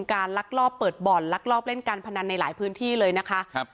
ลักลอบเปิดบ่อนลักลอบเล่นการพนันในหลายพื้นที่เลยนะคะครับ